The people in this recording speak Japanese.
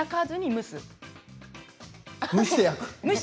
蒸して焼く。